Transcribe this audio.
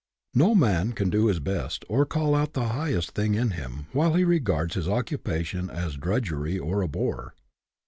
No man can do his best, or call out the highest thing in him, while he regards his occupation as drudgery or a bore.